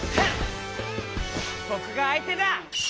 ぼくがあいてだ！